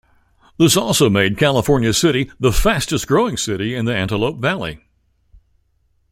This also made California City the fastest growing city in the Antelope Valley.